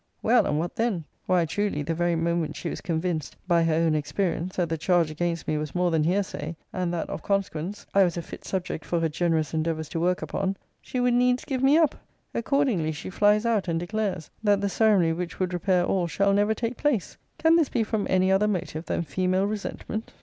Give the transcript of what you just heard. Well, and what then? Why, truly, the very moment she was convinced, by her own experience, that the charge against me was more than hearsay; and that, of consequence, I was a fit subject for her generous endeavours to work upon; she would needs give me up. Accordingly, she flies out, and declares, that the ceremony which would repair all shall never take place! Can this be from any other motive than female resentment?